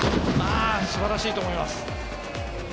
素晴らしいと思います。